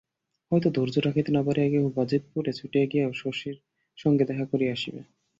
হয়তো ধৈর্য ধরিতে না পারিয়া কেহ বাজিতপুরে ছুটিয়া গিয়াও শশীর সঙ্গে দেখা করিয়া আসিবে।